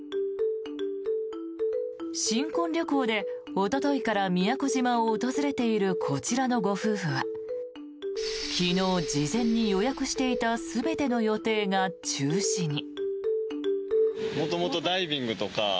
新婚旅行でおとといから宮古島を訪れているこちらのご夫婦は昨日、事前に予約していた全ての予定が中止に。